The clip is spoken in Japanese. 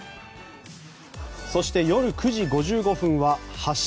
そして夜９時５５分は「発進！